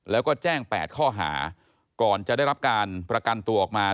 แล้วก็แจ้ง๘ข้อหาก่อนจะได้รับการประกันตัวออกมา